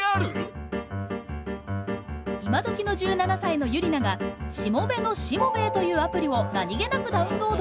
今どきの１７歳のユリナが「しもべのしもべえ」というアプリを何気なくダウンロード。